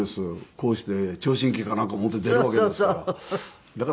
こうして聴診器かなんか持って出るわけですから。